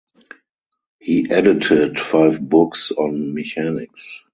He edited five books on Mechanics.